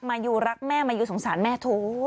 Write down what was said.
มายูรักแม่มายูสงสารแม่โถวหนอหนอ